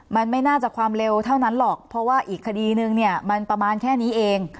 มันไม่น่าจะความเร็วเท่านั้นหรอกเพราะว่าอีกคดีนึงเนี่ยมันประมาณแค่นี้เอง